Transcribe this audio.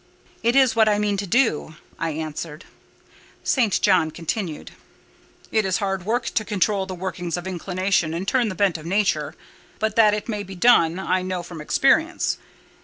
"It is what I mean to do," I answered. St. John continued— "It is hard work to control the workings of inclination and turn the bent of nature; but that it may be done, I know from experience.